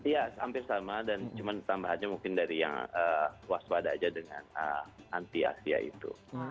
ya hampir sama dan cuma tambahannya mungkin dari yang waspada aja dengan anti asia itu